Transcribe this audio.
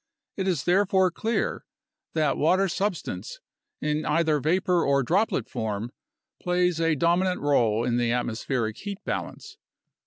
It is therefore clear that water substance, in either vapor or droplet form, plays a dominant role in the atmospheric heat balance.